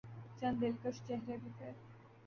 چند دلکش چہرے بھی تھے۔